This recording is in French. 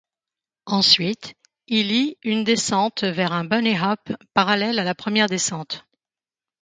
Ensuite, il y une descente vers un bunny hop parallèle à la première descente.